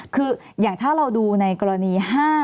คืออย่างถ้าเราดูในกรณี๕